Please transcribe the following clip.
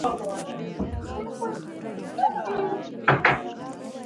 ورزش د بدن انعطاف زیاتوي.